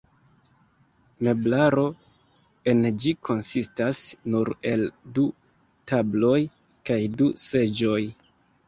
Meblaro en ĝi konsistas nur el du tabloj kaj du seĝoj.